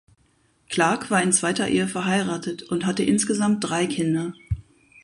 Clark war in zweiter Ehe verheiratet und hatte insgesamt drei Kinder.